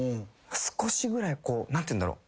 少しぐらいこう何ていうんだろう？